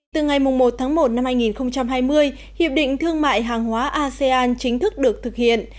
từ ngày một tháng một năm hai nghìn hai mươi hiệp định thương mại hàng hóa asean chính thức được thực hiện